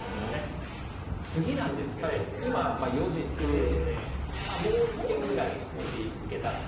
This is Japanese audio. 次なんですけど今４時になりましてもう１軒ぐらいもし行けたらなって。